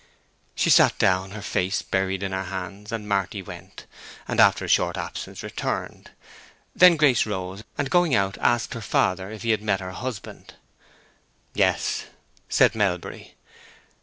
She sat down, her face buried in her hands, and Marty went, and after a short absence returned. Then Grace rose, and going out asked her father if he had met her husband. "Yes," said Melbury.